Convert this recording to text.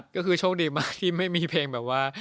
ก็คือโชคดีมากที่ไม่มีเพลงแบบว่า